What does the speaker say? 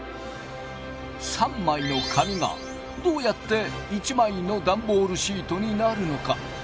３枚の紙がどうやって１枚のダンボールシートになるのか。